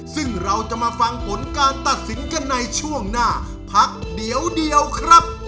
ซึ่งเราจะมาฟังผลการตัดสินกันในช่วงหน้าพักเดี๋ยวเดียวครับ